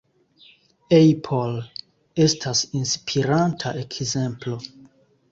Apple estas inspiranta ekzemplo.